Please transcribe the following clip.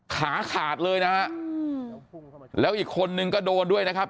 ขาขาดเลยนะฮะแล้วอีกคนนึงก็โดนด้วยนะครับ